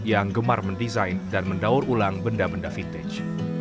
yang gemar mendesain dan mendaur ulang benda benda vintage